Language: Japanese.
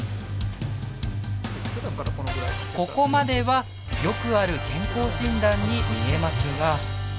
ここまではよくある健康診断に見えますが。